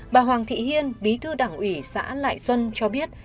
bà hoàng thị hiên bí thư đảng ủy xã lại xuân cho biết